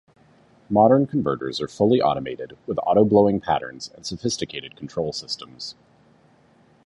Modern converters are fully automated with auto blowing patterns and sophisticated control systems.